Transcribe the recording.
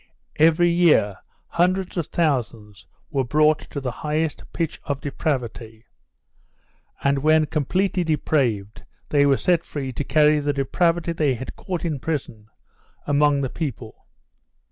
Every year hundreds of thousands were brought to the highest pitch of depravity, and when completely depraved they were set free to carry the depravity they had caught in prison among the people.